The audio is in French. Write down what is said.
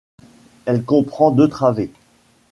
Elle comprend deux travées.